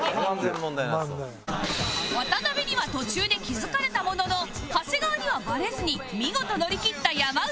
渡辺には途中で気付かれたものの長谷川にはバレずに見事乗り切った山内